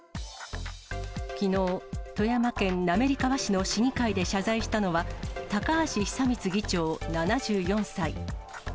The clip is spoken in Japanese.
きのう、富山県滑川市の市議会で謝罪したのは、高橋久光議長７４歳。